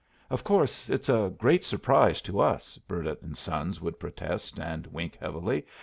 "Of course, it's a great surprise to us," Burdett and Sons would protest and wink heavily.